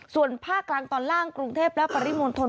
ส่วนภาคกลางตอนล่างกรุงเทพและปริมณฑล